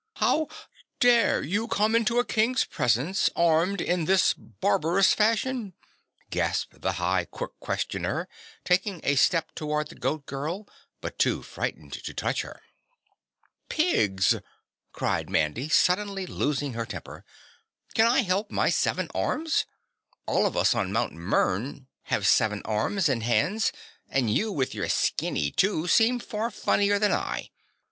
"How DARE you come into a King's presence armed in this barbarous fashion?" gasped the High Qui questioner, taking a step toward the Goat Girl, but too frightened to touch her. "PIGS!" cried Mandy, suddenly losing her temper. "Can I help my seven arms? All of us on Mt. Mern have seven arms and hands and you with your skinny two seem far funnier than I.